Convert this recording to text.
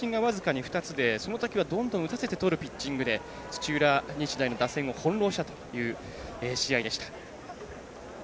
そのときはどんどん打たせてとるピッチングで土浦日大の打線を翻弄したという試合でした。